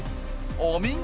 お見事！